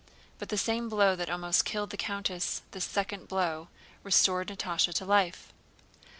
But the same blow that almost killed the countess, this second blow, restored Natásha to life.